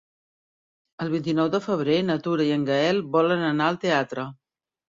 El vint-i-nou de febrer na Tura i en Gaël volen anar al teatre.